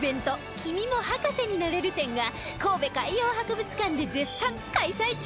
「君も博士になれる展」が神戸海洋博物館で絶賛開催中